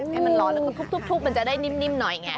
ให้มันร้อนแล้วก็ทุบมันจะได้นิ่มหน่อยไง